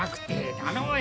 頼むよ。